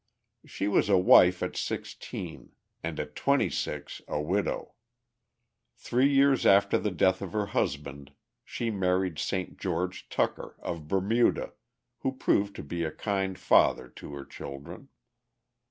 She was a wife at sixteen, and at twenty six a widow. Three years after the death of her husband, she married St. George Tucker, of Bermuda who proved to be a kind father to her children.